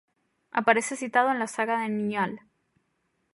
Aparece citado en la "saga de Njál".